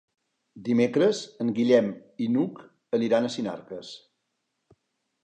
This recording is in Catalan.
Dimecres en Guillem i n'Hug aniran a Sinarques.